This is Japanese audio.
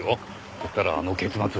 そしたらあの結末。